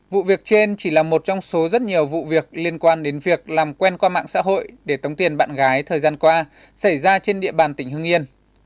vụ việc trên chỉ là một trong số rất nhiều vụ việc liên quan đến việc làm quen qua mạng xã hội để tống tiền bạn gái thời gian qua xảy ra trên địa bàn tỉnh hưng yên